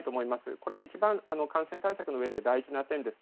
これが一番、感染対策のうえで大事な点です。